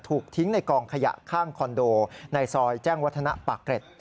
ถูกทิ้งในกองขยะข้างคอนโดในซอยแจ้งวัฒนะปากเกร็ด